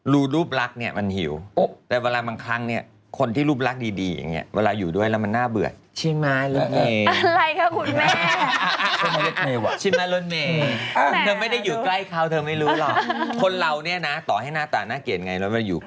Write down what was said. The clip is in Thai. คือคือคือคือคือคือคือคือคือคือคือคือคือคือคือคือคือคือคือคือคือคือคือคือคือคือคือคือคือคือคือคือ